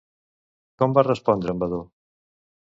Com va respondre en Vadó?